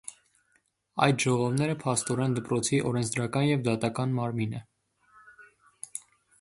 Այդ ժողովները, փաստորեն, դպրոցի օրենսդրական և դատական մարմին է։